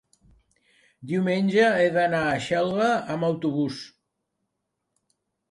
Diumenge he d'anar a Xelva amb autobús.